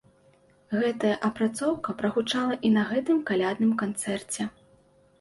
Гэтая апрацоўка прагучала і на гэтым калядным канцэрце.